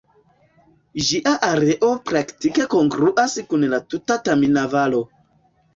Ĝia areo praktike kongruas kun la tuta Tamina-Valo.